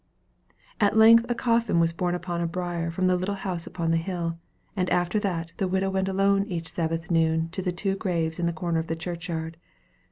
At length a coffin was borne upon a bier from the little house upon the hill; and after that the widow went alone each Sabbath noon to the two graves in the corner of the churchyard.